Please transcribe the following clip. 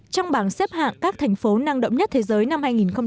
trong bảng xếp hạng các thành phố năng động nhất thế giới năm hai nghìn một mươi chín